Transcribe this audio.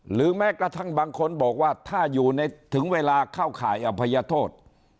หรือแม้กระทั่งบางคนบอกว่าถ้าอยู่ในถึงเวลาเข้าข่ายอภัยโทษ